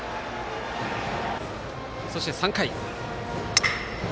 そして３回。